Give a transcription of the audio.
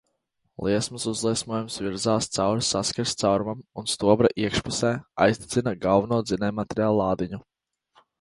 Liesmas uzliesmojums virzās cauri saskares caurumam un stobra iekšpusē aizdedzina galveno dzinējmateriāla lādiņu.